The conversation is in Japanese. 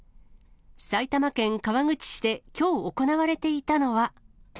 埼玉県川口市できょう行われていたのは。